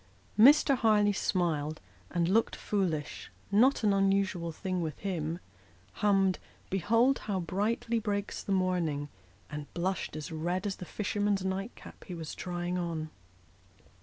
Mr. Harleigh smiled, and looked foolish not an unusual thing with him hummed " Behold how brightly breaks the morning," and blushed as red as the fisherman's night cap he was trying on.